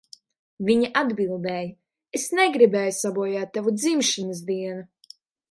Viņa atbildēja, "Es negribēju sabojāt tavu dzimšanas dienu."